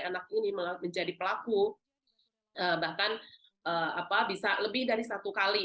anak ini menjadi pelaku bahkan bisa lebih dari satu kali